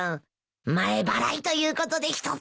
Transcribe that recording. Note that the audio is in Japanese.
前払いということでひとつ。